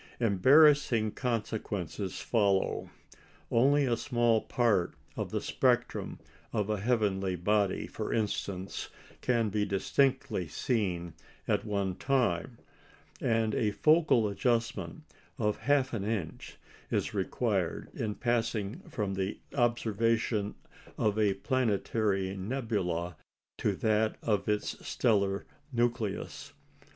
Embarrassing consequences follow. Only a small part of the spectrum of a heavenly body, for instance, can be distinctly seen at one time; and a focal adjustment of half an inch is required in passing from the observation of a planetary nebula to that of its stellar nucleus.